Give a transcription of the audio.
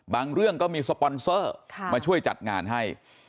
เรื่องก็มีสปอนเซอร์มาช่วยจัดงานให้